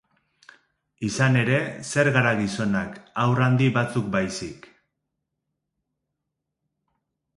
Izan ere, zer gara gizonak, haur handi batzuk baizik?